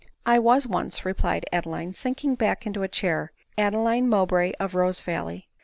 " I was once," replied Adeline, sinking back into a chair, " Adeline Mojwbray of Rosevalley."